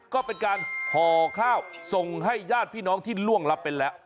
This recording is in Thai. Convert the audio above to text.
ก็เป็นการห่อข้าวส่งให้ญาติพี่น้องที่ล่วงรับไปแล้ว